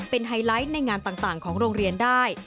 เป็นไฮไลท์ในงานต่างของโรงเรียนได้